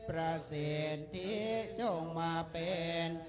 ประเสยนทฤเจ้ามาเป็น